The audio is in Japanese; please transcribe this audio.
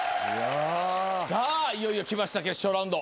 いよいよきました決勝ラウンド。